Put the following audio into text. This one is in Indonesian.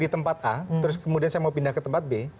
di tempat a terus kemudian saya mau pindah ke tempat b